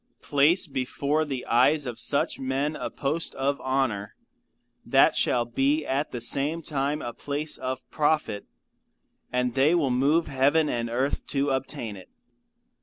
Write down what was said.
Place before the eyes of such men, a post of honour that shall be at the same time a place of profit, and they will move heaven and earth to obtain it.